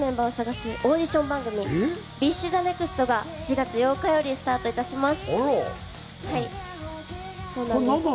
ＢｉＳＨの志を継ぐ、新しいメンバーを探すオーディション番組『ＢｉＳＨＴＨＥＮＥＸＴ』が４月８日からスタートいたします。